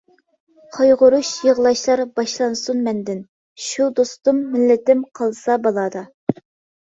قايغۇرۇش، يىغلاشلار باشلانسۇن مەندىن، شۇ دوستۇم، مىللىتىم قالسا بالادا.